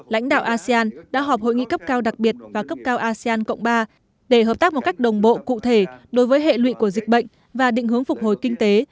lãnh đạo asean đã họp hội nghị cấp cao đặc biệt và cấp cao asean cộng ba để hợp tác một cách đồng bộ cụ thể đối với hệ lụy của dịch bệnh và định hướng phục hồi kinh tế